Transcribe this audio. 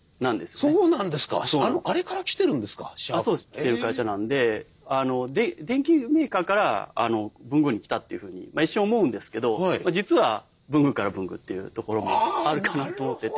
っていう会社なんで電機メーカーから文具に来たっていうふうに一瞬思うんですけど実は文具から文具っていうところもあるかなと思ってて。